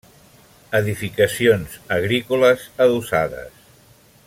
Edificacions agrícoles adossades.